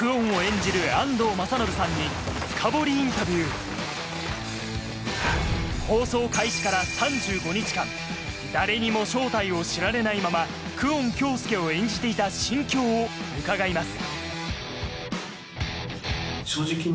ここで放送開始から３５日間誰にも正体を知られないまま久遠京介を演じていた心境を伺います